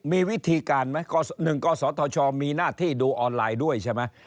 มีวิธีการไหม๑กศธชมีหน้าที่ดูออนไลน์ด้วยใช่ไหม